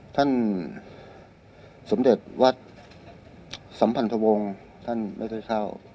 สมเด็จวัดสัมพันธวงศ์ท่านไม่ได้เข้า